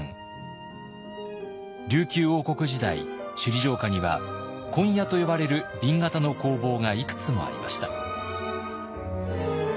琉球王国時代首里城下には紺屋と呼ばれる紅型の工房がいくつもありました。